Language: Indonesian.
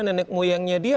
nenek moyangnya dia